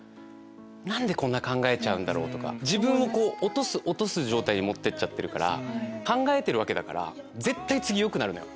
何でこんな考えちゃうんだろう？とか自分を落とす落とす状態に持ってっちゃってるから。